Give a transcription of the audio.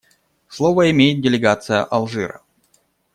Слово имеет делегация Алжира.